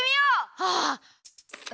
ああ！